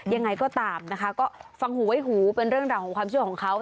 ยังไงก็ตามนะคะก็ฟังหูไว้หูเป็นเรื่องราวของความเชื่อของเขา